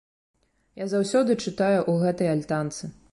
Я заўсёды чытаю ў гэтай альтанцы.